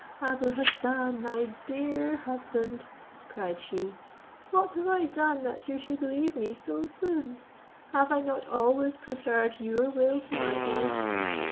Abou Hassan, my dear husband!" cried she, "what have I done that you should leave me so soon? Have I not always preferred your will to my own?